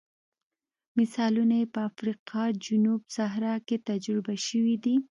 مثالونه یې په افریقا جنوب صحرا کې تجربه شوي دي.